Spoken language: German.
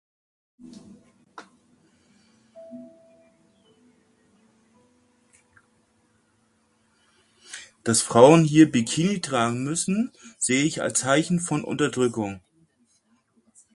Dass Frauen hier Bikini tragen müssen, sehe ich als Zeichen von Unterdrückung.